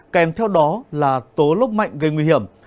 kèm theo đó là tố lốc mạnh gây nguy hiểm